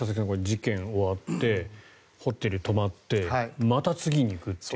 事件が終わってホテルに泊まってまた次に行くという。